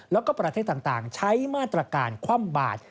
แล้วก็ประเทศต่างใช้มาตรการคว่ำบาด